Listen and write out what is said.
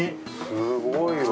すごいわ。